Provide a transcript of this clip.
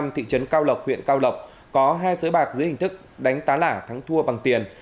công trấn cao lộc huyện cao lộc có hai sới bạc dưới hình thức đánh tá thắng thua bằng tiền